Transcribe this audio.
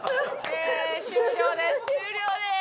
終了です。